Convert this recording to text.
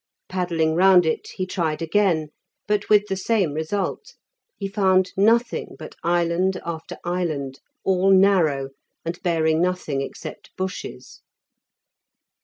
Paddling round it, he tried again, but with the same result; he found nothing but island after island, all narrow, and bearing nothing except bushes.